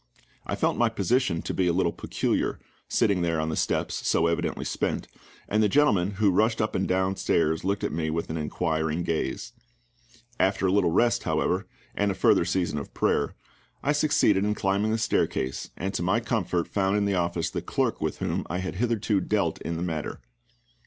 I felt my position to be a little peculiar sitting there on the steps, so evidently spent and the gentlemen who rushed up and downstairs looked at me with an inquiring gaze. After a little rest, however, and a further season of prayer, I succeeded in climbing the staircase, and to my comfort found in the office the clerk with whom I had hitherto dealt in the matter.